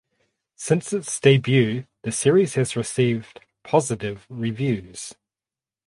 Since its debut the series has received positive reviews.